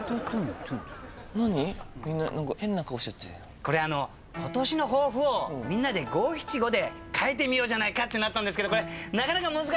これことしの抱負をみんなで五七五で書いてみようじゃないかってなったんですけどなかなか難しくってね。